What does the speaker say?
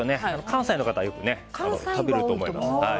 関西の方はよく食べると思います。